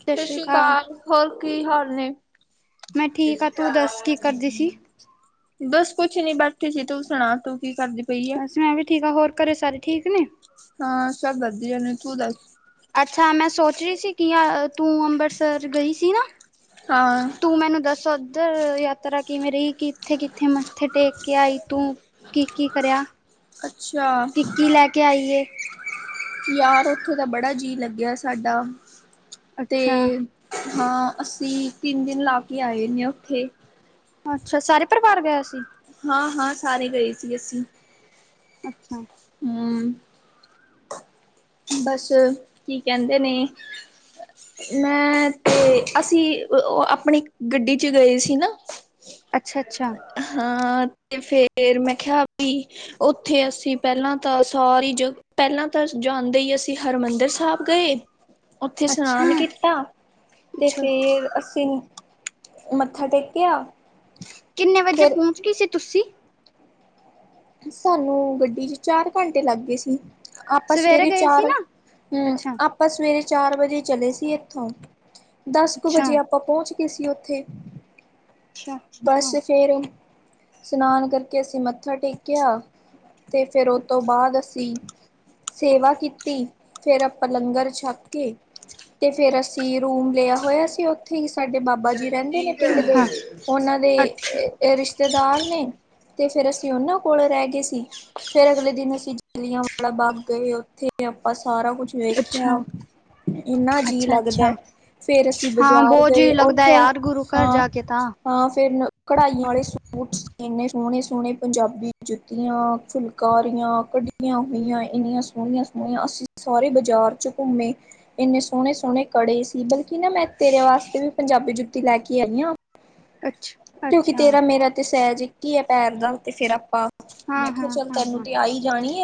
ਸਤਿ ਸ੍ਰੀ ਅਕਾਲ, ਹੋਰ ਕੀ ਹਾਲ ਨੇ ਮੈਂ ਠੀਕ ਆ, ਤੂੰ ਦੱਸ ਕੀ ਕਰਦੀ ਸੀ ਬੱਸ ਕੁੱਛ ਨੀ ਬੈਠੀ ਸੀ, ਤੂੰ ਸੁਣਾ ਤੂੰ ਕੀ ਕਰਦੀ ਪਈ ਐ? ਬਸ ਮੈਂ ਵੀ ਠੀਕ ਹਾਂ, ਹੋਰ ਘਰੇ ਸਾਰੇ ਠੀਕ ਨੇ ਹਾਂ ਸਭ ਵਧੀਆ ਨੇ, ਤੂੰ ਦੱਸ ਅੱਛਾ ਮੈਂ ਸੋਚ ਰਹੀ ਸੀ ਕਿ ਤੂੰ ਅੰਮ੍ਰਿਤਸਰ ਗਈ ਸੀ ਨਾ ਹਾਂ ਤੂੰ ਮੈਨੂੰ ਦੱਸ, ਉੱਧਰ ਯਾਤਰਾ ਕਿਵੇਂ ਰਹੀ, ਕਿੱਥੇ- ਕਿੱਥੇ ਮੱਥੇ ਟੇਕ ਕੇ ਆਈ ਤੂੰ ਕੀ -ਕੀ ਕਰਿਆ, ਅੱਛਾ ਕੀ -ਕੀ ਲੈ ਕੇ ਆਈਏ ਯਾਰ ਉੱਥੇ ਤਾਂ ਬੜਾ ਜੀਅ ਲੱਗਿਆ ਸਾਡਾ, ਅੱਛਾ ਤੇ ਹਾਂ ਅਸੀਂ ਤਿੰਨ ਦਿਨ ਲਾ ਕੇ ਆਏ ਨੇ ਉੱਥੇ ਅੱਛਾ ਸਾਰੇ ਪਰਿਵਾਰ ਗਿਆ ਸੀ ਹਾਂ, ਹਾਂ ਸਾਰੇ ਗਏ ਸੀ ਅਸੀਂ ਅੱਛਾ ਹਮ ਬਸ ਕੀ ਕਹਿੰਦੇ ਨੇ ਮੈਂ ਤੇ, ਅਸੀਂ ਉਹ ਆਪਣੀ ਗੱਡੀ 'ਚ ਗਏ ਸੀ ਨਾ ਅੱਛਾ, ਅੱਛਾ ਹਾਂ, ਤੇ ਫੇਰ ਮੈਂ ਕਿਹਾ ਵੀ ਉੱਥੇ ਅਸੀਂ ਪਹਿਲਾਂ ਤਾਂ ਸਾਰੀ ਜਗਾ, ਪਹਿਲਾਂ ਤਾਂ ਜਾਂਦੇ ਹੀ, ਅਸੀਂ ਹਰਿਮੰਦਰ ਸਾਹਿਬ ਗਏ ਉੱਥੇ ਅੱਛਾ ਇਸ਼ਨਾਨ ਕੀਤਾ ਤੇ ਅੱਛਾ ਫੇਰ ਅਸੀਂ ਮੱਥਾ ਟੇਕਿਆ ਕਿੰਨੇ ਵਜੇ ਫਿਰ ਪਹੁੰਚ ਗਈ ਸੀ ਤੁਸੀਂ ਸਾਨੂੰ ਗੱਡੀ ਚ ਚਾਰ ਘੰਟੇ ਲੱਗ ਗਏ ਸੀ ਆਪਾਂ ਸਵੇਰੇ ਗਏ ਸੀ ਚਾਰ ਹਮ ਨਾ ਅੱਛਾ ਆਪ ਆਪਾਂ ਸਵੇਰੇ ਚਾਰ ਵਜੇ ਚਲੇ ਸੀ ਇੱਥੋਂ ਦਸ ਕੁ ਅੱਛਾ ਵਜੇ ਉਹ ਪਹੁੰਚ ਗ ਸੀ ਉੱਥੇ ਅੱਛਾ ਬਸ ਅੱਛਾ ਫੇਿਰ ਇਸ਼ਨਾਨ ਕਰਕੇ ਅਸੀਂ ਮੱਥਾ ਟੇਕਿਆ ਤੇ ਫਿਰ ਉਹ ਤੋਂ ਬਾਅਦ ਅਸੀਂ ਸੇਵਾ ਕੀਤੀ ਫਿਰ ਆਪਾਂ ਲੰਗਰ ਛੱਕ ਕੇ ਤੇ ਫੇਿਰ ਅਸੀਂ ਰੂਮ ਲਿਆ ਹੋਇਆ ਸੀ ਉੱਥੇ ਹੀ ਸਾਡੇ ਬਾਬਾ ਜੀ ਰਹਿੰਦੇ ਨੇ ਪਿੰਡ ਦੇ ਹਾਂ ਉਹਨਾਂ ਦੇ ਅੱਛ ਰਿਸ਼ਤੇਦਾਰ ਨੇ ਤੇ ਫੇਿਰ ਅਸੀਂ ਉਹਨਾਂ ਕੋਲ ਰਹਿ ਗਏ ਸੀ ਫੇਿਰ ਅਗਲੇ ਦਿਨ ਅਸੀਂ ਜਲਿਆਂ ਵਾਲੇ ਬਾਗ ਗਏ ਉੱਥੇ ਆਪਾਂ ਸਾਰਾ ਕੁਝ ਵੇਖਿਆ ਅੱਛਾ ਇੰਨਾ ਜੀਅ ਲੱਗਦਾ ਫੇਿਰ ਅਸੀਂ ਹਾਂ ਬਾਜ਼ਾਰ ਬੋਝ ਗਏ ਹੀ ਲੱਗਦਾ ਉੱਥੋਂ ਯਾਰ ਗੁਰੂ ਘਰ ਹਾਂ ਜਾ ਕੇ ਤਾਂ ਹਾਂ ਫੇਿਰ ਕਢਾਈਆਂ ਵਾਲੇ ਸੂਟ ਇੰਨੇ ਸੋਹਣੇ ਸੋਹਣੇ ਪੰਜਾਬੀ ਜੁੱਤੀਆਂ ਫੁਲਕਾਰੀਆਂ ਕਢੀਆਂ ਹੋਈਆਂ ਇੰਨੀਆਂ ਸੋਹਣੀਆਂ ਸੋਹਣੀਆਂ ਅਸੀ ਸਾਂਰੇ ਬਜ਼ਾਰ ਚ ਘੁੰਮੇ ਇੰਨੇ ਸੋਹਣੇ ਸੋਹਣੇ ਕੜੇ ਸੀ ਬਲ ਕਿ ਨਾ ਮੈਂ ਤੇਰੇ ਵਾਸਤੇ ਵੀ ਪੰਜਾਬੀ ਜੁੱਤੀ ਲੈ ਕੇ ਆਈ ਹਾਂ ਅੱਛਾ ਕਿਉਂਕਿ ਅੱਛਾ ਤੇਰਾ ਮੇਰਾ ਤੇ ਸਹਿਜ ਇੱਕ ਹੀ ਹੈ ਪੈਰ ਦਾ ਤੇ ਫੇਰ ਆਪਾਂ ਹਾਂ ਮੈਂ ਕਿਹਾ ਹਾਂ ਚੱਲ ਹਾਂ ਤੈਨੂੰ ਹਾਂ ਤੇ ਆਈ ਜਾਣੀ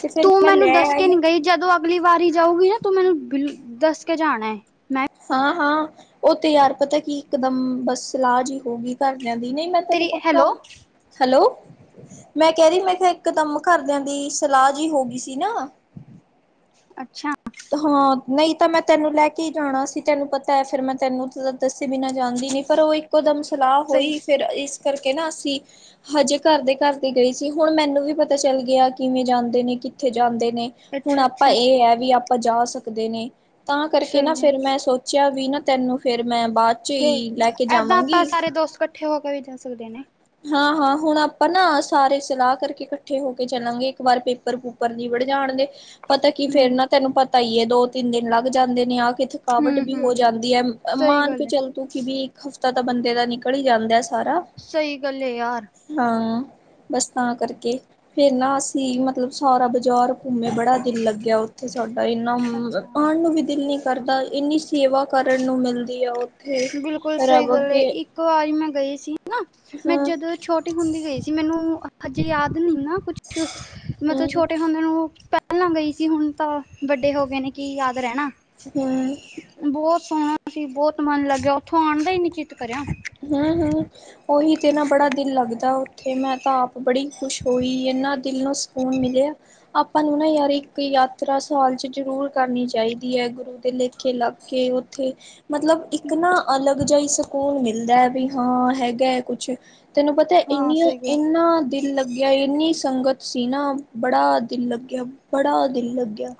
ਤੇ ਫਿਰ ਤੂੰ ਮੈਂ ਮੈਨੂੰ ਲੈ ਦੱਸ ਕੇ ਆਈ ਨੀ ਗਈ ਜਦੋਂ ਅਗਲੀ ਵਾਰੀ ਜਾਊਗੀ ਨਾ ਤੂੰ ਮੈਨੂੰ ਬਿਲ ਦੱਸ ਕੇ ਜਾਣਾ ਹੈ ਮੈਂ ਹਾਂ ਹਾਂ ਉਹ ਤੇ ਯਾਰ ਪਤਾ ਕੀ ਇਕਦਮ ਬਸ ਸਲਾਹ ਜਿ ਹੋਗੀ ਘਰਦਿਆਂ ਦੀ ਨਹੀਂ ਮੈਂ ਤੈਨੂੰ ਤੇਰੀ ਪੱਕਾ ਹੈਲੋ ਹੈਲੋ ਮੈਂ ਕਹਿ ਰਹੀ ਮੈਂ ਕਿਹਾ ਇੱਕ ਦਮ ਘਰਦਿਆਂ ਦੀ ਸਲਾਹ ਜਿਹੀ ਹੋ ਗਈ ਸੀ ਨਾ ਅੱਛਾ ਹਾਂ ਨਹੀਂ ਤਾਂ ਮੈਂ ਤੈਨੂੰ ਲੈ ਕੇ ਹੀ ਜਾਣਾ ਸੀ ਤੈਨੂੰ ਪਤਾ ਹੈ ਫਿਰ ਮੈਂ ਤੈਨੂੰ ਦੱਸੇ ਬਿਨਾਂ ਜਾਂਣਦੀ ਨੀ ਪਰ ਉਹ ਇੱਕ ਇਕੋ ਦਮ ਸਲਾਹ ਸਹੀ ਹੋਈ ਫਿਰ ਇਸ ਕਰਕੇ ਨਾ ਅਸੀਂ ਹਜੇ ਘਰ ਦੇ ਘਰ ਦੇ ਗਏ ਸੀ ਹੁਣ ਮੈਨੂੰ ਵੀ ਪਤਾ ਚੱਲ ਗਿਆ ਕਿਵੇਂ ਜਾਂਦੇ ਨੇ ਕਿੱਥੇ ਜਾਂਦੇ ਨੇ ਹੁਣ ਅੱਛਾ ਆਪਾਂ ਅੱਛਾ ਇਹ ਹੈ ਵੀ ਆਪਾਂ ਜਾ ਸਕਦੇ ਨੇ ਤਾਂ ਕਰਕੇ ਨਾ ਸਹੀ ਹੈ ਫੇਿਰ ਮੈਂ ਸੋਚ ਪੁੱਛਿਆ ਵੀ ਨਾ ਤੈਨੂੰ ਫੇਿਰ ਮੈਂ ਬਾਅਦ ਚ ਤੇ ਹੀ ਲੈ ਕੇ ਏਦਾਂ ਆਪਾਂ ਜਾਵਾਂਗੀ ਸਾਰੇ ਦੋਸਤ ਇਕੱਠੇ ਹੋ ਕੇ ਵੀ ਜਾ ਸਕਦੇ ਨੇ ਹਾਂ ਹਾਂ ਹੁਣ ਆਪਾਂ ਨਾ ਸਾਰੇ ਸਲਾਹ ਕਰਕੇ ਇਕੱਠੇ ਹੋ ਕੇ ਚੱਲਾਂਗੇ ਇੱਕ ਵਾਰ ਪੇਪਰ ਪੂਪਰ ਨ ਨਿੱਬੜ ਜਾਣ ਦੇ ਪਤਾ ਕੀ ਫੇਰ ਹਮ ਨਾ ਤੈਨੂੰ ਪਤਾ ਹੀ ਹੈ ਦੋ ਤਿੰਨ ਦਿਨ ਲੱਗ ਜਾਂਦੇ ਨੇ ਆਹ ਕਿੱਥੇ ਹਮ ਥਕਾਵਟ ਵੀ ਹੋ ਹਮ ਜਾਂਦੀ ਹੈ ਸਹੀ ਮਾਨ ਕੇ ਗੱਲ ਹੈ ਚੱਲ ਤੂੰ ਕਿ ਵੀ ਹਫ਼ਤਾ ਤਾਂ ਬੰਦੇ ਦਾ ਨਿਕਲ ਹੀ ਜਾਂਦਾ ਹੈ ਸਾਰਾ ਸਹੀ ਗੱਲ ਹੈ ਯਾਰ ਹਾਂ ਬਸ ਤਾਂ ਕਰਕੇ ਫੇਿਰ ਨਾ ਅਸੀਂ ਮਤਲਬ ਸਾਰਾ ਬਾਜ਼ਾਰ ਘੁੰਮੇ ਬੜਾ ਦਿਲ ਲੱਗਿਆ ਉਥੇ ਥ ਸਾਡਾ ਇੰਨਾ ਅੱਛਾ ਆਉਣ ਨੂੰ ਵੀ ਦਿਲ ਨ ਕਰਦਾ ਇੰਨੀ ਸੇਵਾ ਕਰਨ ਨੂੰ ਮਿਲਦੀ ਹੈ ਉਹ ਬਿਲਕੁਲ ਸਹੀ ਰੱਬ ਗੱਲ ਏ ਅੱਗੇ ਇੱਕ ਵਾਰੀ ਮੈਂ ਗਈ ਸੀ ਨਾ ਮੈਂ ਜਦੋਂ ਛੋਟੀ ਹੁੰਦੀ ਗਈ ਸੀ ਮੈਨੂੰ ਹਜੇ ਯਾਦ ਨ ਨਾ ਕੁਛ ਮਤਲਬ ਛੋਟੇ ਹੂੰ-ਹੂੰ-ਹੂੰ ਹੁੰਦੇ ਮੈਨੂੰ ਪਹਿਲਾਂ ਗਈ ਸੀ ਹੁਣ ਤਾਂ ਵੱਡੇ ਹੋ ਗਏ ਨੇ ਕੀ ਯਾਦ ਰਹਿਣਾ ਹਮ ਬਹੁਤ ਸੋਹਣਾ ਸੀ ਬਹੁਤ ਮਨ ਲੱਗਿਆ ਉੱਥੋਂ ਆਉਣ ਦਾ ਹੀ ਨੀ ਚਿੱਤ ਕਰਿਆ ਹਾਂ ਹਾਂ ਉਓਹੀ ਤੇ ਨਾ ਬੜਾ ਦਿਲ ਲੱਗਦਾ ਉੱਥੇ ਮੈਂ ਤਾਂ ਆਪ ਬੜੀ ਖੁਸ਼ ਹੋਈ ਇਹਨਾ ਦਿਲ ਨੂੰ ਸਕੂਨ ਮਿਲਿਆ ਆਪਾਂ ਨੂੰ ਨਾ ਯਾਰ ਇੱਕ ਯਾਤਰਾ ਸਾਲ ਚ ਜ਼ਰੂਰ ਕਰਨੀ ਚਾਹੀਦੀ ਹੈ ਗੁਰੂ ਦੇ ਲਿਖ ਲੇਖੇ ਲੱਗ ਕੇ ਉੱਥੇ ਮਤਲਬ ਇੱਕ ਨਾ ਅਲੱਗ ਜਿਹੀ ਸਕੂਨ ਮਿਲ ਮਿਲਦਾ ਵੀ ਹਾਂ ਹੈਗਾ ਕੁੱਛ ਤੈਨੂੰ ਪਤਾ ਹਾਂ ਇੰਨੀਆਂ ਸਹੀ ਗੱਲ ਇੰਨਾ ਦਿਲ ਲੱਗਿਆ ਇੰਨੀ ਸੰਗਤ ਸੀ ਨਾ, ਬੜਾ ਦਿਲ ਲੱਗਿਆ। ਬੜਾ ਦਿਲ ਲੱਗਿਆ।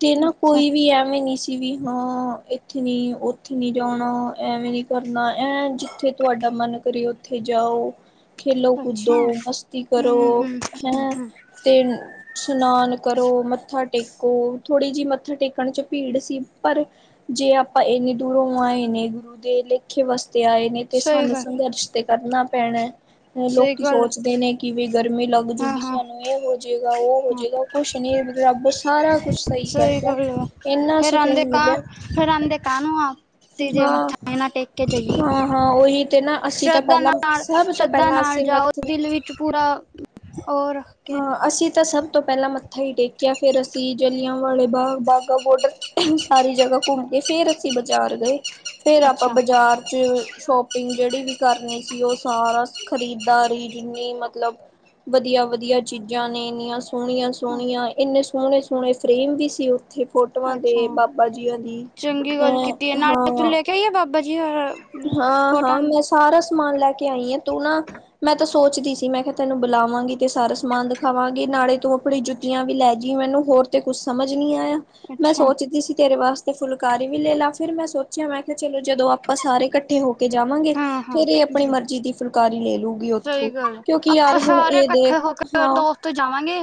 ਤੇ ਨਾ ਅੱਛਾ, ਕੋਈ ਵੀ ਐਵੇਂ ਨੀ, ਸੀ ਵੀ ਹਾਂ, ਇੱਥੇ ਨੀ, ਉੱਥੇ ਨੀ ਜਾਣਾ, ਐਵੇਂ ਨੀ ਕਰਨਾ, ਐਂ ਜਿੱਥੇ ਤੁਹਾਡਾ ਮਨ ਕਰੇ, ਉੱਥੇ ਜਾਓ। ਅੱਛਾ। ਖੇਲੋ-ਕੁੱਦੋ, ਮਸਤੀ ਕਰੋ, ਹੂੰ, ਹੂੰ, ਹੂੰ, ਹੈਂ। ਹੂੰ ਤੇ ਸਨਾਨ ਕਰੋ, ਮੱਥਾ ਟੇਕੋ। ਥੋੜ੍ਹੀ ਜਿਹੀ ਮੱਥਾ ਟੇਕਣ'ਚ ਭੀੜ ਸੀ, ਪਰ ਜੇ ਆਪਾਂ ਇੰਨੇ ਦੂਰੋਂ ਆਏ ਨੇ, ਗੁਰੂ ਦੇ ਲੇਖੇ ਵਾਸਤੇ ਆਏ। ਨਹੀ ਤੇ ਸਹੀ ਸਾਨੂੰ ਗੱਲ ਸੰਘਰਸ਼ ਤੇ ਕਰਨਾ ਪੈਣਾ। ਸਹੀ ਲੋਕੀ ਗੱਲ ਸੋਚਦੇ ਨੇ ਕਿ ਵੀ ਗਰਮੀ ਲੱਗ ਜੂਗੀ, ਹਾਂ-ਹਾਂ। ਸਾਨੂੰ ਇਹ ਹੋ ਜੇ ਹੋਜੇਗਾ, ਉਹ ਹਾਂ ਹਾਂ ਹੋਜੇਗਾ, ਕੁਛ ਨੀ ਰੱਬ ਸਾਰਾ ਕੁਛ ਸਹੀ ਕਰਦਾ। ਗੱਲ ਆ ਇੰਹਨਾ ਫੇਰ ਆਂਦੇ ਸਕੁਨ ਕਾਂ ਮਿਲਿਆ। ਫੇਰ ਆਂਦੇ ਕਾਹਨੂੰ ਆਂ, ਤੇ, ਜੇ ਹਾਂ ਮੱਥਾ ਵੀ ਨਾ ਟੇਕ ਜਾਈਏ, ਹਾਂ ਹਾਂ ਉਹੀ ਤੇ ਨਾ ਅਸੀਂ ਤਾਂ ਸ਼੍ਰੱਧਾ ਪਹਿਲਾਂ ਨਾਲ, ਸਭ ਤੋਂ ਸ਼੍ਰੱਧਾ ਪਹਿਲਾਂ ਨਾਲ ਅਸੀਂ ਜਾਓ, ਮੱਥੇ ਦਿਲ ਵਿੱਚ ਪੂਰਾ ਉਹ ਰੱਖ ਕੇ ਹਾਂ, ਅਸੀਂ ਤਾਂ ਸਭ ਤੋਂ ਪਹਿਲਾਂ ਮ ੱਥਾ ਹੀ ਟੇਕਿਆ, ਫਿਰ ਅਸੀਂ ਜਲਿਆਂਵਾਲੇ ਬਾਗ, ਬਾਗਾ ਬੋਰਡਰ ਸਾਰੀ ਜਗ੍ਹਾ ਘੁੰਮਕੇ ਫ਼ੇਰ ਅਸੀਂ ਬਾਜ਼ਾਰ ਗਏ, ਫੇਰ ਆਪਾਂ ਅੱਛਾ ਬਾਜ਼ਾਰ'ਚ ਸ਼ੋਪ ਿੰਗ ਜਿਹੜੀ ਵੀ ਕਰਨੀ ਸੀ, ਉਹ ਸਾਰਾ ਖਰੀਦ੍ਦਾਰੀ, ਜਿੰਨੀ ਮਤਲਬ ਵਧੀਆ-ਵਧੀਆ ਚੀਜ਼ਾਂ ਨੇ, ਇੰਨੀਆਂ ਸੋਹਣੀਆਂ-ਸੋਹਣੀਆਂ, ਇੰਨੇ ਸੋਹਣੇ-ਸੋਹਣੇ ਫਰੇਮ ਵੀ ਸੀ, ਓ ਥੇ ਫੋਟੋਆਂ ਅੱਛਾ ਦੇ ਬਾਬਾ ਜੀਆਂ ਦੀ। ਚੰਗੀ ਗੱਲ ਕੀਤੀ ਹੈ ਨਾਲੇ ਤੂੰ ਹਾਂ-ਹਾਂ। ਲੈ ਕੇ ਆਈਏ ਬਾਬਾ ਜੀ ਹੋਰ ਫੋਟੋਆਂ ਹਾਂ-ਹਾਂ, ਮੈਂ ਸਾਰਾ ਸਮਾਨ ਲੈਕੇ ਆਂਈ ਆ, ਤੂੰ ਨਾ, ਮੈਂ ਤਾਂ ਸੋਚਦੀ ਸੀ, ਮੈਂ ਤੈਨੂੰ ਬੁਲਾਵਾਂਗੀ ਤੇ ਸਾਰਾ ਸਮਾਨ ਦਿਖਾਵਾਂਗੀ, ਨਾਲੇ ਤੋਂ ਆਪਣੀ ਜੁੱਤੀਆਂ ਵੀ ਲੈਜੀਂ, ਮੈਨੂੰ ਹੋਰ ਤੇ ਕੁੱਛ ਸਮਝ ਨੀ ਆਇਆ, ਮੈਂ ਅੱਛਾ ਸੋਚਦੀ ਸੀ ਤੇਰੇ ਵਾਸਤੇ ਤੇ ਫੁਲਕਾਰੀ ਵੀ ਲੇਲਾ, ਫਿਰ ਮੈਂ ਸੋਚਿਆ, ''ਮੈਂ ਕਿਹਾ ਚਲੋ, ਜਦੋਂ ਆਪਾਂ ਸਾਰੇ ਇਕੱਠੇ ਹੋ ਕੇ ਜਾਵਾਂਗੇ, ਹਾਂ ਹਾਂ ਫੇਰ ਇਹ ਆਪਣੀ ਜ਼ਰੂਰ ਮਰਜ਼ੀ ਦੀ ਫੁਲਕਾਰੀ ਲੇਲੂ ਸਹੀ ਗੱਲ ਏ, ਆਪਾਂ ਸਾਰੇ ਇਕੱਠੇ ਦੇਖ ਹੋਕੇ ਹਾਂ ਦੋਸਤ ਜਾਵਾਂਗੇ।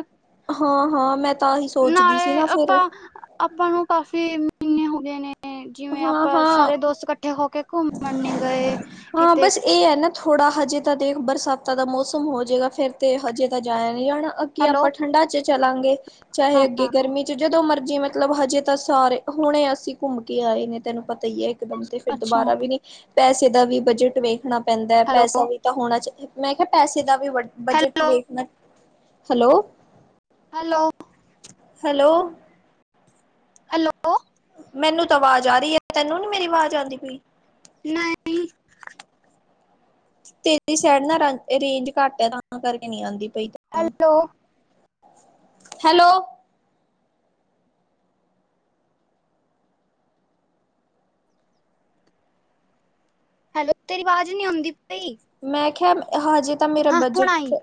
ਹਾਂ-ਹਾਂ, ਮੈਂ ਤਾਂਹੀ ਸੋਚਦੀ ਸੀ ਨਾਲੇ ਨਾ, ਫਿਰ। ਆਪਾਂ ਆਪਾਂ ਨੂੰ ਕਾਫੀ, ਮ੍ਹੀਨੇ ਹੋ ਗਏ ਨੇ। ਜਿਵੇਂ ਆਪਾਂ, ਹਾਂ-ਹਾਂ ਸਾਰੇ ਦੋਸਤ ਇਕੱਠੇ ਹੋਕੇ ਘੁੰਮਣ ਨੀ ਗਏ, ਕਿਤੇ ਏ ਆ ਨਾ ਥੋੜਾ, ਹਜੇ ਤਾਂ ਦੇਖ ਬਰਸਾਤਾਂ ਦਾ ਮੌਸਮ ਹੋਜੇਗਾ, ਫਿਰ ਤੇ ਹਜੇ ਤਾਂ ਜਾਇਆ ਨਹੀਂ ਜਾਣਾ ਕਿ ਹੈਲੋ ਆਪਾ ਠੰਡਾ-ਚ ਚਲਾਂਗੇ, ਚਾਹੇ ਹਾਂ ਅੱਗੇ ਹਾਂ ਗਰਮੀ ਜਦੋਂ ਮਰਜੀ ਮਤਲਬ ਹਜੇ ਤਾਂ ਸਾਰੇ, ਹੁਣੇ ਅਸੀਂ ਘੁੰਮਕੇ ਆਏ ਨੇ ਤੈਨੂੰ ਪਤਾਈ ਏ। ਇੱਕਦਮ ਤੇ ਫਿਰ ਅੱਛਾ ਦੁਬਾਰਾ ਵੀ ਨੀ, ਪੈਸੇ ਦਾ ਵੀ ਬਜਟ ਵੇਖਣਾ ਪੈਂਦਾ, ਪੈਸਾ ਹੈਲੋ ਵੀ ਹੋਣਾ ਚਾਹੀ ''ਮੈਂ' ਕਿਹਾ ਪੈਸੇ ਦਾ ਵੀ ਬਜਟ ਹੈਲੋ ਵੇਖਣਾ ਹੈਲੋ! ਹੈਲੋ। Hello hello! ਮੈਨੂੰ ਤਾਂ ਅਵਾਜ਼ ਆ ਰਹੀ ਏ। ਤੈਨੂੰ ਨੀ, ਮੇਰੀ ਅਵਾਜ਼ ਆਂਦੀ ਪਈ? ਨਹੀਂ। ਤੇਰੀ ਸਾਈਡ ਨਾ, ਰਾ, ਰੇਂਜ ਘੱਟ ਐ, ਤਾਂ ਕਰਕੇ ਨੀ ਆਂਦੀ ਪਈ, ਤੈਨੂੰ। Hello hello. ਹੈਲੋ, ਤੇਰੀ ਆਵਾਜ਼ ਨੀ ਆਉਂਦੀ ਪਈ। ਮੈਂ, ਖਿਹਾ ਹਜੇ ਤਾਂ ਮੇਰਾ ਹਾਂ ਹੁਣ ਬਜਟ, ਆਈ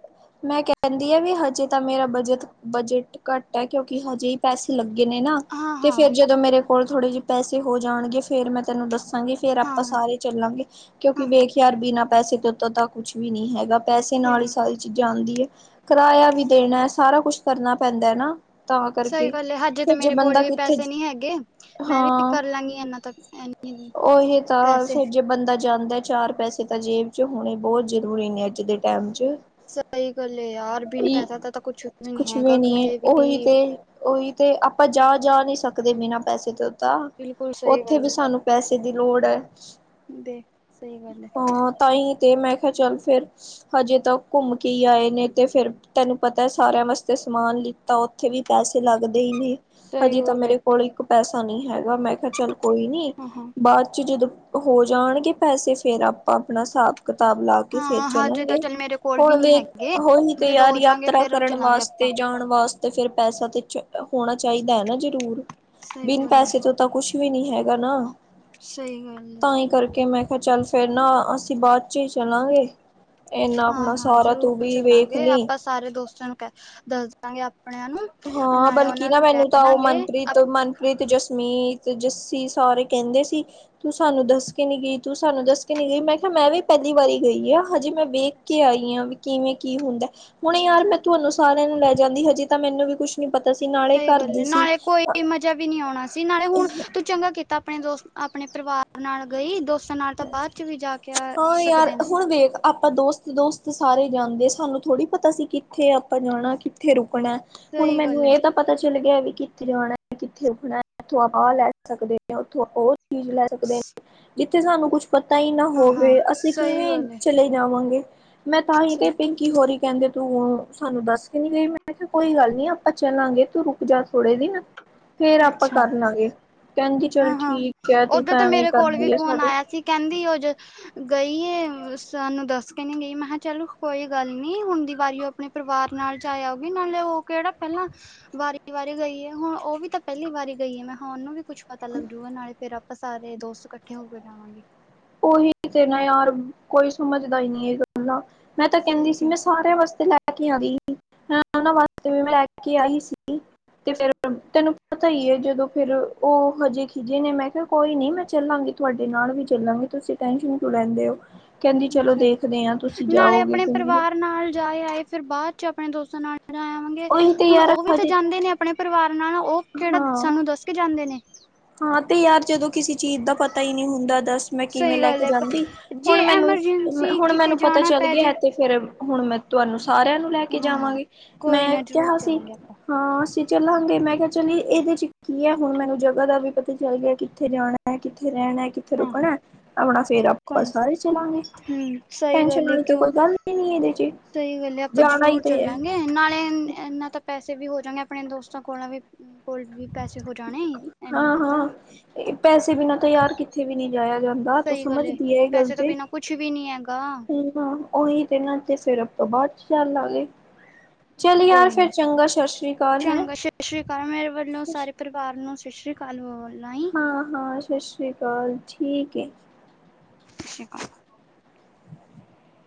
ਮੈਂ ਕਿਹਾ ਕਹਿੰਦੀ ਆ ਵੀ ਹਜੇ ਤਾਂ ਮੇਰਾ ਬਜਟ, ਬਜਟ ਘੱਟ ਹੈ ਕਿਉਂਕਿ ਹਜੇ ਹੀ ਪੈਸੇ ਲੱਗੇ ਨੇ ਨਾ। ਹਾਂ ਤੇ ਹਾਂ ਫੇਰ ਜਦੋਂ ਮੇਰੇ ਕੋਲ ਥੋੜੇ ਜਿਹੇ ਪੈਸੇ ਹੋ ਜਾਣਗੇ, ਫੇਰ ਮੈਂ ਤੈਨੂੰ ਦੱਸ ਸਾਂਗੀ, ਫੇਰ ਹਾਂ ਆਪਾਂ ਸਾਰੇ ਚੱਲਾਂਗੇ। ਕਿਉਂਕਿ ਹਾਂ ਹਾਂ ਵੇਖ ਯਾਰ, ਬਿਨਾਂ ਪੈਸੇ ਦੇ ਉੱਤੋਂ ਤਾਂ ਕੁਛ ਵੀ ਨਹੀਂ ਹੈਗਾ। ਪੈਸੇ ਸਹੀ ਨਾਲ ਈ ਆ ਸਾਰੀ ਚੀਜ਼ਾਂ ਆਂਦੀ ਏ, ਕਿਰਾਇਆ ਵੀ ਦੇਣਾ ਹੈ, ਸਾਰਾ ਕੁਛ ਕਰਨਾ ਪੈਂਦਾ ਹੈ ਨਾ। ਤਾਂ ਸਹੀ ਕਰਕੇ ਗੱਲ ਹੈ, ਹਜੇ ਤਾਂ ਫਿਰ ਜੇ ਮੇਰੇ ਕੋਲ ਬੰਦਾ ਵੀ ਕਿੱਥੇ ਪੈਸੇ ਨਹੀਂ ਹੈਗੇ। 'ਮੈਂ' ਵੀ ਹਾਂ ਕਰਲਾਂਗੀ ਇਨਾ ਤੱਕ। ਹੈਨੀ ਉਹੀ ਤਾ, ਫੇਰ ਜੇ ਬੰਦਾ ਜਾਂਦਾ ਚਾਰ ਪੈਸੇ ਤਾਂ ਜੇਬ ਚ ਹੋਣੇ ਬਹੁਤ ਜ਼ਰੂਰੀ ਨੇ, ਅੱਜ ਦੇ ਟਾਈਮ ਚ ਸਹੀ ਗੱਲ ਏ ਯਾਰ, ਬਿਨ ਈ ਪੈਸਾ ਦਾ ਤਾਂ ਕੁਛ ਵੀ ਨੀ ਕੁਛ ਹੈਗਾ, ਨਹੀਂ ਹੈ ਕਿਤੇ ਉਹੀ ਵੀ। ਤੇ ਉਹੀ ਤੇ ਆਪਾਂ ਜਾ ਜਾ ਨਹੀਂ ਸਕਦੇ ਬਿਨਾਂ ਪੈਸੇ ਤੋਂ ਤਾਂ, ਬਿਲਕੁਲ ਸਹੀ ਉੱਥੇ ਗੱਲ ਵੀ ਹੈ ਸਾਨੂੰ ਪੈਸੇ ਦੀ ਲੋੜ ਐ, ਦੇ ਸਹੀ ਗੱਲ ਹੈ ਹਾਂ। ਤਾਂਹੀ ਤੇ, ਮੈਂ ਕਿਹਾ ਚੱਲ ਫੇਰ। ਹਜੇ ਤਾ ਉਹ ਘੁੰਮ ਕੇ ਹੀ ਆਏ ਨੇ, ਤੇ ਫੇਰ ਤੈਨੂੰ ਪਤਾ ਸਾਰਿਆਂ ਵਾਸਤੇ ਸਮਾਨ ਲਿੱਤਾ, ਉੱਥੇ ਵੀ ਪੈਸੇ ਲੱਗਦੇ ਈ ਨੇ। ਸਹੀ ਹਜੇ ਤਾਂ ਗੱਲ ਹੈ ਮੇਰੇ ਕੋਲ ਇੱਕ ਪੈਸਾ ਨਹੀਂ ਹੈਗਾ, ਮੈਂ ਕਿਹਾ ਚੱਲ ਕੋਈ ਨੀ, ਹਾਂ ਬਾਅਦ ਚ ਜਦੋਂ ਹੋ ਜਾਣਗੇ ਪੈਸੇ, ਫੇਰ ਆਪਾਂ ਆਪਨਾ ਸਾਬ-ਕਤਾਬ ਲਾ ਓਕੇ ਹਾਂ ਫੇਰ ਹਾਂ ਹਜੇ ਤਾਂ ਚੱਲਾਂਗੇ, ਚੱਲ ਮੇਰੇ ਕੋਲ ਵੀ ਹੁਣ ਨਹੀਂ ਵੇਖ ਹੈਗੇ ਉਹੀ ਤੇ ਜਦੋਂ ਯਾਰ ਹੋ ਜਾਗੇ ਯਾਤਰਾ ਫੇਰ ਕਰਨ ਚਲਾਂਗੇ ਆਪਾਂ ਵਾਸਤੇ, ਜਾਣ ਵਾਸ ਤੇ ਫਿਰ ਪੈਸਾ ਤੇ ਹੋਣਾ ਚਾਹੀਦਾ ਐ ਨਾ ਜ਼ਰੂਰ, ਸਹੀ ਬਿਨ ਗੱਲ ਹੈ ਪੈਸੇ ਤੋਂ ਤਾਂ ਕੁਛ ਵੀ ਨੀ ਹੈਗਾ ਨਾ, ਸਹੀ ਗੱਲ ਹੈ, ਤਾਂਹੀ ਕਰਕੇ ਮੈਂ ਕਿਹਾ ਚੱਲ ਫੇਰ ਨਾ ਅ ਅਸੀਂ ਬਾਅਦ ਚ ਹੀ ਚਲਾਂਗੇ, ਏਨਾ ਆਪਣਾ ਹਾਂ-ਹਾਂ ਸਾਰਾ ਤੂੰ ਜ਼ਰੂਰ ਵੀ ਵੇਖ ਚੱਲਾਂਗੇ ਲੀ। ਆਪਾਂ ਸਾਰੇ ਦੋਸਤਾਂ ਨੂੰ ਕਹਿ, ਦੱਸਦਾਂਗੇ ਆਪਣਿਆਂ ਨੂੰ। ਹਾਂ, ਨਾਲੇ ਬਲਕਿ ਉਹਨਾਂ ਨਾ ਨੂੰ ਕਹਿ ਮੈਨੂੰ ਤਾਂ ਉਹ ਦਾਂਗੇ ਮਨਪ੍ਰੀਤ-ਮਨਪ੍ਰੀਤ, ਜਸਮੀਤ ਤੇ ਜੱਸੀ ਸਾਰੇ ਕਹਿੰਦੇ ਸੀ। ਤੂੰ ਸਾਨੂੰ ਦੱਸ ਕੇ ਨੀ ਗਈ, ਤੂੰ ਸਾਨੂੰ ਦੱਸ ਕੇ ਨੀ ਗਈ, ਮੈਂ ਕਿਹਾ ਮੈਂ ਵੀ ਪਹਿਲੀ ਵਾਰੀ ਗਈ ਆਂ, ਹਜੇ ਮੈਂ ਵੇਖ ਕੇ ਅੱਛਾ-ਅੱਛਾ ਆਈ ਹਾਂ, ਵੀ ਕਿਵੇਂ ਕੀ ਹੁੰਦਾ, ਹੁਣ ਯਾਰ ਮੈਂ ਤੁਹਾਨੂੰ ਸਾਰਿਆਂ ਨੂੰ ਲੈ ਜਾਂਦੀ, ਹਜੇ ਤਾਂ ਮੈਨੂੰ ਵੀ ਕੁਛ ਨੀ ਪਤਾ ਸੀ ਨਾ ਸਹੀ ਗੱਲ ਏ, ਨਾਲੇ ਕੋਈ ਮਜਾ ਵੀ ਨੀ ਆਉਣਾ ਸੀ, ਨਾਲੇ ਹੁਣ ਤੂ ਚੰਗਾ ਕੀਤਾ ਆਪਣੇ ਦੋਸਤ, ਆਪਣੇ ਪਰਿਵਾਰ ਨਾਲ ਗਈ, ਦੋਸਤ ਦੋਸਤਾਂ ਨਾਲ ਤਾਂ ਬਾਅਦ ਚ ਵੀ ਜਾ ਕੇ ਆ ਹਾਂ ਯਾਰ ਸਕਦੇ ਨੇ। ਹੁਣ ਵੇਖ ਆਪਾਂ ਦੋਸਤ-ਦੋਸਤ ਸਾਰੇ ਜਾਂਦੇ ਸਾਨੂੰ ਥੋੜ੍ਹੀ ਪਤਾ ਸੀ, ਕਿੱਥੇ ਆਪਾਂ ਜਾਣਾ, ਕਿੱਥੇ ਰੁਕਣਾ। ਹੁਣ ਸਹੀ ਗੱਲ ਮੈਨੂੰ ਏ, ਇਹ ਤਾਂ ਪ ਪਤਾ ਚੱਲ ਗਿਆ ਵੀ ਕਿੱਥੇ ਜਾਣਾ ਐ, ਕਿੱਥੇ ਰੁਕਣਾ, ਇੱਥੋਂ ਆਹ ਲੈ ਸਕਦੇ ਆਂ, ਉੱਥੋਂ ਉਹ ਚੀਜ਼ ਲੈ ਸਕਦੇ ਆਂ। ਇੱਥੇ ਸਾਨੂੰ ਕੁਛ ਪਤਾ ਹੀ ਨਾ ਹਾਂ-ਹਾਂ ਹੋਵੇ, ਅਸੀਂ ਸਹੀ ਕਿਵੇਂ ਗੱਲ ਏ, ਚਲੇ ਜਾਵਾਂਗੇ। ਮੈਂ ਤਾਂਹੀ ਤੇ ਪਿੰਕੀ ਹੋਰੀ ਕਹਿੰਦੇ ਤੂੰ ਸਾਨੂੰ ਦੱਸ ਕੇ ਨੀ ਗਈ, ਮੈਂ ਕਿਹਾ ਕੋਈ ਗੱਲ ਨੀ ਆਪਾਂ ਚੱਲਾਂਗੇ, ਤੂੰ ਰੁਕ ਜਾ ਥੋੜੇ ਦਿਨ। ਫੇਰ ਆਪਾਂ ਅੱਛਾ। ਕਰਲਾਂਗੇ, ਕਹਿੰਦੀ ਚੱਲ ਹਾਂ-ਹਾਂ ਠੀਕ ਐ, ਤੂੰ ਓਦਾਂ ਤਾਂ ਐਵੇਂ ਮੇਰੇ ਕੋਲ ਵੀ ਕਰਦੀ ਐ। ਫੋਨ ਆਇਆ ਸੀ ਕਹਿੰਦੀ ਉਹ ਜੋ ਗਈ ਏ, ਸਾਨੂੰ ਦੱਸ ਕੇ ਨਹੀ ਗਈ, ਮਹਾਂ ਚਲੋ ਕੋਈ ਗੱਲ ਨੀ, ਹੁਣ ਦੀ ਵਾਰੀ ਉਹ ਆਪਣੇ ਪਰਿਵਾਰ ਨਾਲ ਜਾਇਆ ਊ ਗੀ, ਉਹ ਨਾਲੇ ਉਹ ਕਿਹੜਾ ਪਹਿਲਾਂ ਵਾਰੀ- ਵਾਰੀ ਗਈ ਏ, ਹੁਣ ਉਹ ਵੀ ਤਾਂ ਪਹਿਲੀ ਵਾਰੀ ਗਈ ਐ, ਮਹਾਂ ਉਹਨੂੰ ਵੀ ਕੁੱਛ ਪਤਾ ਲੱਗਜੂਗਾ, ਨਾਲੇ ਫੇਰ ਆਪਾਂ ਸਾਰੇ ਦੋਸਤ ਇਕੱਠੇ ਹੋ ਕੇ ਜਾਵਾਂਗੇ। ਉਹੀ ਤੇ ਨਾ ਯਾਰ, ਕੋਈ ਸਮਝਦਾ ਈ ਨੀ ਹੈਗਾ। ਨਾ ਮੈਂ ਤਾਂ ਕਹਿੰਦੀ ਸਹੀ ਸੀ, ਗੱਲ ਮੈਂ ਸਾਰਿਆਂ ਵਾਸਤੇ ਲੈ ਲੈ ਕੇ ਆਉਂਦੀ, ਉਹਨਾਂ ਵਾਸਤੇ ਵੀ ਮੈਂ ਲੈ ਕੇ ਆਈ ਸੀ, ਤੇ ਫੇਰ ਤੈਨੂੰ ਪਤਾ ਈ ਐ, ਜਦੋਂ ਫੇਰ ਉਹ ਹਜੇ ਖਿਜੇ ਨੇ, ਮੈਂ ਕਿਹਾ ਕੋਈ ਨੀ ਮੈਂ ਚੱਲਾਂਗੀ, ਤੁਹਾਡੇ ਨਾਲ ਵੀ ਚੱਲਾਂਗੀ। ਤੁਸੀਂ ਟੈਸ਼ਨ ਕਿਉਂ ਲੈਂਦੇ ਹੋ, ਕਹਿੰਦੀ ਚਲੋ ਅੱਛਾ ਦੇਖਦੇ ਆ, ਤੁਸੀਂ ਨਾਲੇ ਜਾਓਗੇ ਆਪਣੇ ਕਿਵੇਂ ਪਰਿਵਾਰ ਨਾਲ ਜਾ ਆਏ, ਫਿਰ ਬਾਅਦ ਚ ਆਪਣੇ ਦੋਸਤਾਂ ਨਾਲ ਜਾ ਆਵਾਂਗੇ, ਉਹੀ ਤੇ ਹੁਣ ਯਾਰ ਉਹ ਵੀ ਤਾਂ ਹਜੇ ਜਾਂਦੇ ਨੇ ਆਪ ਆਪਣੇ ਪਰਿਵਾਰ ਨਾਲ, ਉਹ ਕਿਹੜਾ ਹਾਂ ਸਾਨੂੰ ਦੱਸ ਕੇ ਜਾਂਦੇ ਨੇ। ਹਾਂ, ਤੇ ਯਾਰ ਜਦੋਂ ਕਿਸੇ ਚੀਜ਼ ਦਾ ਪਤਾ ਹੀ ਨਹੀਂ ਹੁੰਦਾ, ਦੱਸ ਮੈਂ ਕਿਵੇਂ ਸਹੀ ਲੈ ਗੱਲ ਕੇ ਹੈ ਜਾਂਦੀ, ਜੇ ਹੁਣ ਮੈਨੂੰ- ਐਮਰਜੈਂਸੀ ਹੁਣ ਕਿਤੇ ਮੈਨੂੰ ਪਤਾ ਜਾਣਾ ਚੱਲ ਪੈ ਜੇ ਗਿਆ ਤੇ ਫੇਰ ਹੁਣ ਮੈਂ ਤੁਹਾਨੂੰ ਸਾਰਿਆਂ ਨੂੰ ਲੈ ਕੇ ਹਾਂ ਜਾਵਾਂਗੀ, ਕੋਈ ਮੈਂ ਨਾ ਜ਼ਰੂਰ ਕਿਹਾ ਸੀ। ਚੱਲਾਂਗੇ ਆਪਾਂ ਹਾਂ ਅਸੀਂ ਚੱਲਾਂਗੇ, ਮੈਂ ਕਿਹਾ ਚੱਲ ਇਹਦੇ ਚ ਕੀ ਐ, ਹੁਣ ਮੈਨੂੰ ਜ ਜਗ੍ਹਾ ਦਾ ਵੀ ਪਤਾ ਚੱਲ ਗਿਆ, ਕਿੱਥੇ ਜਾਣਾ, ਕਿੱਥੇ ਰਹਿਣਾ, ਕਿਥ ਕਿੱਥੇ ਹਾਂ ਹਾਂ ਰੁਕਣਾ, ਆਪਣਾ ਫੇਰ ਆਪਾਂ ਕੋਈ ਸਾਰੇ ਚਲਾਂਗੇ, ਹਮ ਸਹੀ ਟੈਸ਼ਨ ਗੱਲ ਹੈ ਆਲੀ ਤੇ ਕਿਉਂ ਕੋਈ ਗੱਲ ਈ ਨਹੀਂ ਇਹਦੇ 'ਚ ਸਹੀ ਗੱਲ ਏ, ਆਪਾਂ ਜਾਣਾ ਜ਼ਰੂਰ ਹੀ ਤੇ ਹੈ ਚੱਲਾਂਗੇ। ਨਾਲੇ, ਇਹਨਾਂ ਤਾਂ ਪੈਸੇ ਵੀ ਹੋ ਜਾਗੇ, ਆਪਣੇ ਦੋਸਤਾਂ ਕੋਲ ਵੀ ਕੋਲ ਵੀ ਪੈੇ ਹਾਂ-ਹਾਂ, ਪੈਸੇ ਬਿਨਾਂ ਤਾਂ ਯਾਰ ਕਿੱਥੇ ਵੀ ਨਹੀਂ ਜਾਇਆ ਜਾਂਦਾ। ਨਾ, ਤੂੰ ਸਹੀ ਗੱਲ ਸਮਝਦੀ ਏ ਇਹ ਗੱਲ ਪੈਸੇ ਤੋਂ ਤੇ, ਬਿਨਾਂ ਕੁਛ ਵੀ ਨੀ ਹੈਗਾ ਹੂੰ ਹਾਂ ਉਹੀ ਤੇ, ਨਾਂ ਤੇ ਫੇਰ ਆਪਾਂ ਬਾਅਦ ਚ ਚਲਾਲਾਂਗੇ। ਚੱਲ ਯਾਰ ਕੋਈ ਫਿਰ ਨੀ ਚੰਗਾ, ਸਤਿ ਸ੍ਰੀ ਅਕਾਲ ਹੈ। ਚੰਗਾ ਸਤਿ ਸ੍ਰੀ ਅਕਾਲ ਮੇਰੇ ਵੱਲੋਂ ਸਾਰੇ ਪਰਿਵਾਰ ਨੂੰ ਸਤਿ ਸ਼੍ਰੀ ਅਕਾਲ ਬੋਲ ਹਾਂ-ਹਾਂ, ਸਾਸਰੀ ਅਕਾਲ, ਠੀਕ ਏ। [unintelligible] [inaudible]